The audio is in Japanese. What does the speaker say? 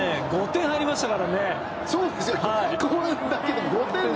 ５点入りましたからね。